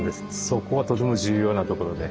そこがとても重要なところで。